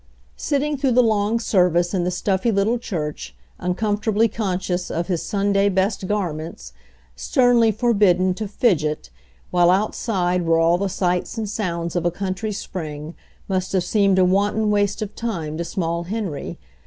Sitting through the long service in the stuffy little church, uncomfortably conscious of his Sun day best garments, sternly forbidden to "fidget," while outside were all the sights and sounds of a country spring must have seemed a wanton waste of time to small Henry.